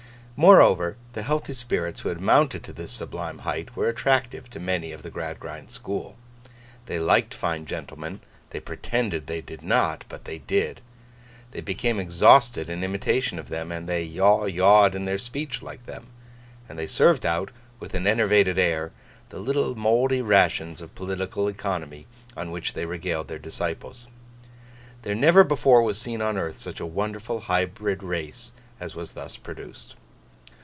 Moreover, the healthy spirits who had mounted to this sublime height were attractive to many of the Gradgrind school. They liked fine gentlemen; they pretended that they did not, but they did. They became exhausted in imitation of them; and they yaw yawed in their speech like them; and they served out, with an enervated air, the little mouldy rations of political economy, on which they regaled their disciples. There never before was seen on earth such a wonderful hybrid race as was thus produced.